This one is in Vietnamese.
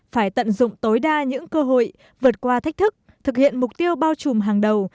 phải tận dụng tối đa những cơ hội vượt qua thách thức thực hiện mục tiêu bao trùm hàng đầu